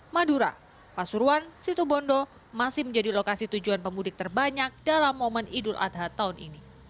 madura pasuruan situbondo masih menjadi lokasi tujuan pemudik terbanyak dalam momen idul adha tahun ini